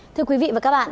thưa quý vị và các bạn